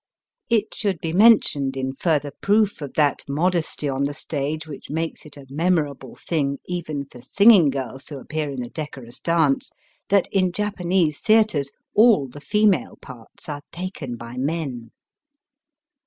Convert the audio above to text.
It should be mentioned in further proof of that modesty on the stage which makes it a memorable thing even for singing girls to appear in the decorous dance, that in Japanese theatres all the female parts are taken by men.